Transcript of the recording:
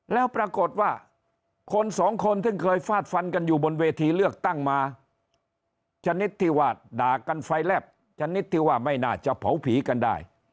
แล้วปรากฏว่าคนสองคนซึ่งเคยฟาดฟันกันอยู่บนเวทีเลือกตั้งมาชนิดที่ว่าด่ากันไฟแลบชนิดที่ว่าไม่น่าจะเผาผีกันได้